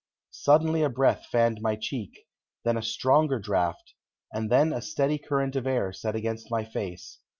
Suddenly a breath fanned my cheek, then a stronger draught, and then a steady current of air set against my face.